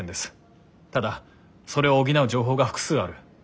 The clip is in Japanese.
ただそれを補う情報が複数ある。